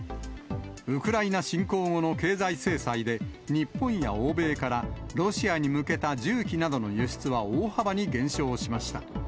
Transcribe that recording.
ウクライナ侵攻後の経済制裁で、日本や欧米からロシアに向けた重機などの輸出は大幅に減少しました。